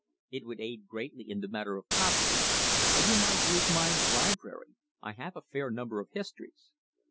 It would aid greatly in the matter of costume, and you might use my library I have a fair number of histories."